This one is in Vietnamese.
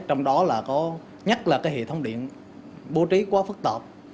trong đó là có nhất là cái hệ thống điện bố trí quá phức tợp